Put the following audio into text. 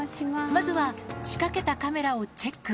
まずは仕掛けたカメラをチェ